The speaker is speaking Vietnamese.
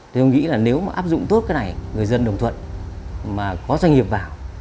thì tôi nghĩ là nếu mà áp dụng tốt cái này người dân đồng thuận mà có doanh nghiệp vào